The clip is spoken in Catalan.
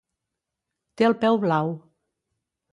Té el peu blau.